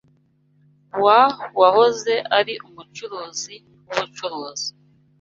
wa wahoze ari umucuruzi w’ubucuruzi